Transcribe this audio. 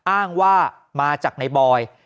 อ้างว่ามาจากในบอย